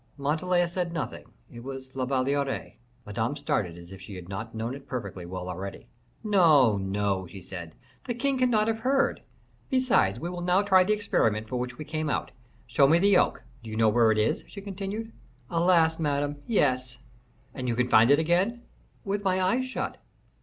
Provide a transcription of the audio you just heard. Montalais said nothing; it was La Valliere." Madame started as if she had not known it perfectly well already. "No, no," she said, "the king cannot have heard. Besides, we will now try the experiment for which we came out. Show me the oak. Do you know where it is?" she continued. "Alas! Madame, yes." "And you can find it again?" "With my eyes shut."